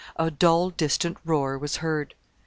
A dull distant roar was heard.